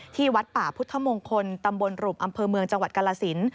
วัดป่าพุทธมงคลตำบลหรูปอำเภอเมืองจังหวัดกาลสิน